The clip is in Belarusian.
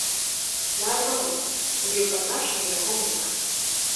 Наадварот, у ёй пазначаны яго нумар!